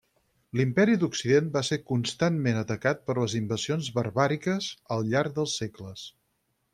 L'imperi d'Occident va ser constantment atacat per les invasions barbàriques al llarg dels segles.